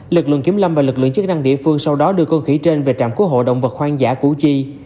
lực lượng kiểm lâm và lực lượng chức năng địa phương sau đó đưa con khỉ trên về trạm cứu hộ động vật hoang dã củ chi